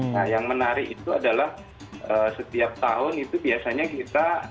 nah yang menarik itu adalah setiap tahun itu biasanya kita